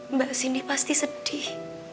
mbak cindy pasti sedih